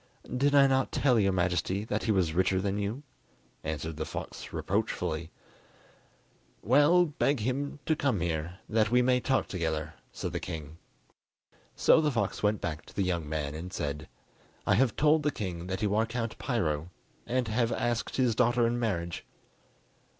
"Did I not tell your Majesty that he was richer than you?" answered the fox reproachfully. "Well, beg him to come here, that we may talk together," said the king. So the fox went back to the young man and said: "I have told the king that you are Count Piro, and have asked his daughter in marriage."